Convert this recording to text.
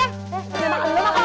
eh enak banget lo makan